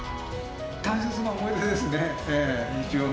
大切な思い出ですね。